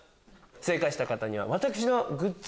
正解した方には私のグッズ